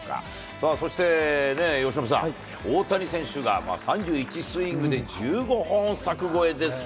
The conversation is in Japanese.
さあ、そして由伸さん、大谷選手が、３１スイングで１５本柵越えですか。